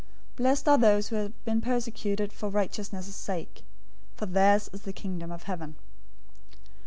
005:010 Blessed are those who have been persecuted for righteousness' sake, for theirs is the Kingdom of Heaven.